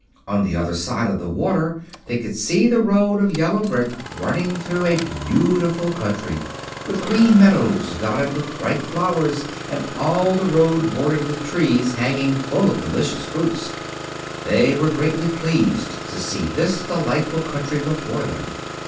On the other side of the water they could see the road of yellow brick running through a beautiful country, with green meadows dotted with bright flowers and all the road bordered with trees hanging full of delicious fruits. They were greatly pleased to see this delightful country before them.